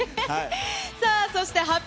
さあ、そして発表！